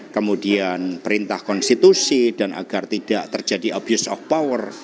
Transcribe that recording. kemudian perintah konstitusi dan agar tidak terjadi abuse of power